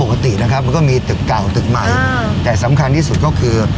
ปกตินะครับมันก็มีตึกเก่าตึกใหม่แต่สำคัญที่สุดก็คือ